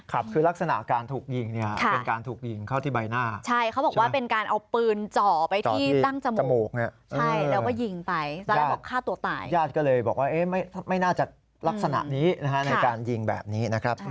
แยดก็เลยบอกว่าไม่น่าจากลักษณะนี้ในการหยิงแบบนี้นะครับ